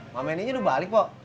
mama ini udah balik pok